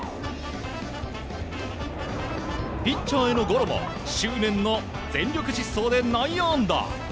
ピッチャーへのゴロも執念の全力疾走で内野安打！